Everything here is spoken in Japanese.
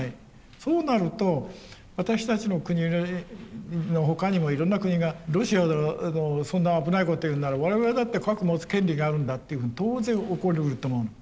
そうなると私たちの国の他にもいろんな国がロシアがそんな危ないこと言うなら我々だって核持つ権利があるんだっていうふうに当然起こりうると思う。